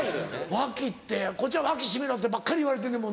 脇ってこっちは脇しめろってばっかり言われてんねんもんね。